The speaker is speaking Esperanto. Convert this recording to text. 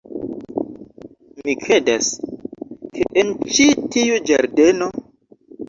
Mi kredas, ke en ĉi tiu ĝardeno...